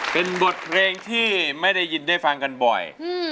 เป็นบทเพลงที่ไม่ได้ยินได้ฟังกันบ่อย